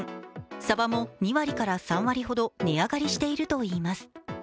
さばも２割から３割ほど値上がりしているといいます。